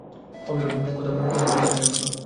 কমলার রূপের কথা তার কানে উঠল।